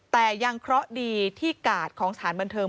แต่ยังเคราะห์ดีที่กาดของสถานบันเทิง